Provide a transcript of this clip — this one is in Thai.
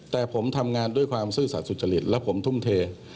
แต่ผมทำงานด้วยความซื่อสัตว์สุจริตและผมทุ่มเท